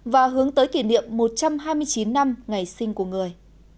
và hướng tới kỷ niệm một trăm hai mươi chín năm ngày sinh của người